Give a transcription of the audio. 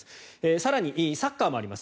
更にサッカーもあります。